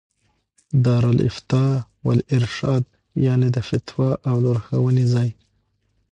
دار الافتاء والارشاد، يعني: د فتوا او لارښووني ځای